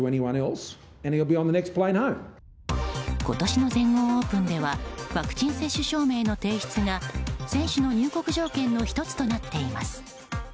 今年の全豪オープンではワクチン接種証明の提出が選手の入国条件の１つとなっています。